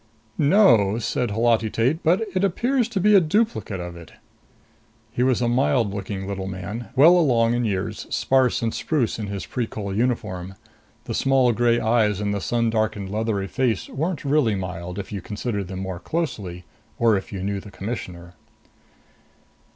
"No," said Holati Tate. "But it appears to be a duplicate of it." He was a mild looking little man, well along in years, sparse and spruce in his Precol uniform. The small gray eyes in the sun darkened, leathery face weren't really mild, if you considered them more closely, or if you knew the Commissioner.